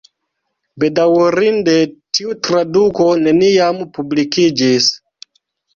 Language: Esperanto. Bedaŭrinde tiu traduko neniam publikiĝis.